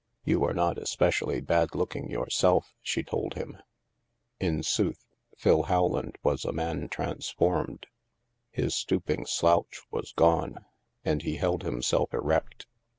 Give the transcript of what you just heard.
" You are not especially bad looking yourself,'* she told him. In sooth, Phil Rowland was a man transformed. His stooping slouch was gone, and he held himself erect.